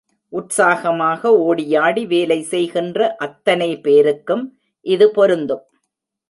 உற்சாகமாக ஒடியாடி வேலை செய்கின்ற அத்தனை பேருக்கும் இது பொருந்தும்.